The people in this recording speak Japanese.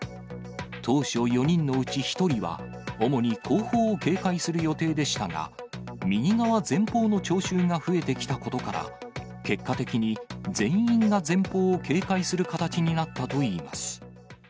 当初、４人のうち１人は、主に後方を警戒する予定でしたが、右側前方の聴衆が増えてきたことから、結果的に全員が前方を警戒する形になったといいます。